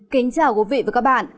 kính chào quý vị và các bạn